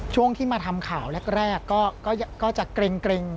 ช่วงที่มาทำข่าวแรกก็จะเกร็ง